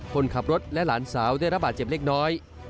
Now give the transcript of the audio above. คนขับรถและหลานสาวได้ระบาดเจ็บเล็กน้อย